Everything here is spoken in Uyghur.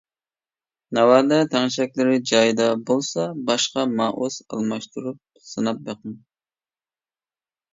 ناۋادا تەڭشەكلىرى جايىدا بولسا باشقا مائۇس ئالماشتۇرۇپ سىناپ بېقىڭ.